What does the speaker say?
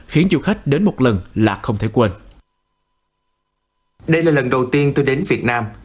khiến du khách đến một lần là không thể quên đây là lần đầu tiên tôi đến việt nam